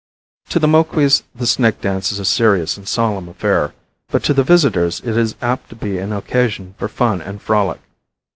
To the Moquis the snake dance is a serious and solemn affair, but to the visitors it is apt to be an occasion for fun and frolic.